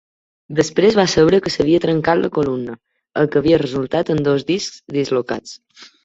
Després va saber que s'havia trencat la columna, el que havia resultat en dos discs dislocats.